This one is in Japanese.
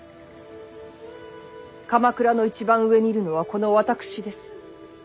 鎌倉の一番上にいるのはこの私です。